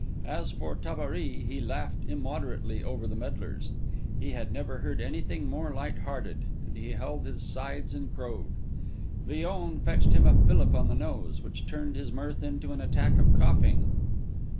As for Tabary, he laughed immoderately over the medlars; he had never heard anything more light hearted; and he held his sides and crowed. Villon fetched him a fillip on the nose, which turned his mirth into an attack of coughing.